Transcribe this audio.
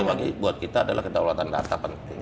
yang pasti buat kita adalah kedaulatan data penting